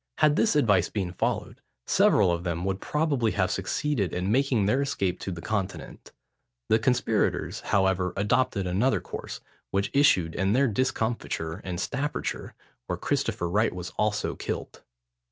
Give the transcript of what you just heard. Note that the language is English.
Had this advice been followed, several of them would probably have succeeded in making their escape to the Continent. The conspirators, however, adopted another course, which issued in their discomfiture in Staffordshire, where Christopher Wright was also killed.